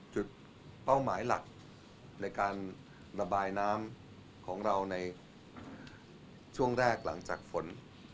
เป้าหมายหลักในการระบายน้ำของเราในช่วงแรกหลังจากฝน